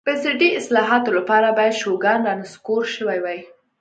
بنسټي اصلاحاتو لپاره باید شوګان رانسکور شوی وای.